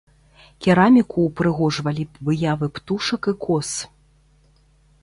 Кераміку ўпрыгожвалі выявы птушак і коз.